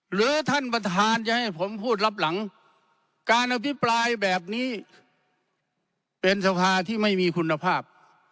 หรือท่านประธานจะให้ผมพูดรับหลังการอภิปรายแบบนี้เป็นสภาที่ไม่มีคุณภาพ